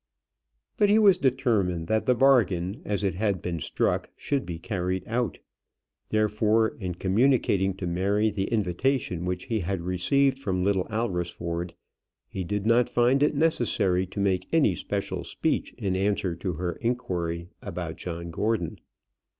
But he was determined that the bargain, as it had been struck, should be carried out. Therefore, in communicating to Mary the invitation which he had received from Little Alresford, he did not find it necessary to make any special speech in answer to her inquiry about John Gordon.